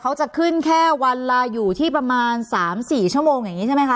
เขาจะขึ้นแค่วันละอยู่ที่ประมาณ๓๔ชั่วโมงอย่างนี้ใช่ไหมคะ